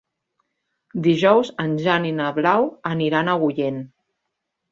Dijous en Jan i na Blau aniran a Agullent.